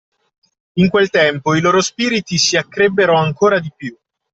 In quel tempo, i loro spiriti si accrebbero ancora di più